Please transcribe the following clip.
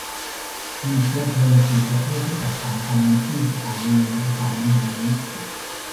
มีเชื้อเพลิงสี่ประเภทที่แตกต่างกันที่สถานีบริการน้ำมันนี้